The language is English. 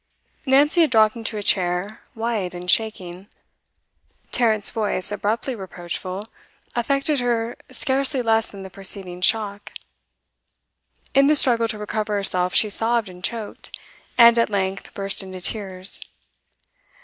Nancy had dropped into a chair, white and shaking. Tarrant's voice, abruptly reproachful, affected her scarcely less than the preceding shock. In the struggle to recover herself she sobbed and choked, and at length burst into tears.